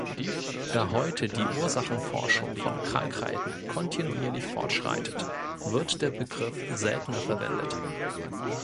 Da heute die Ursachenforschung von Krankheiten kontinuierlich fortschreitet, wird der Begriff seltener verwendet.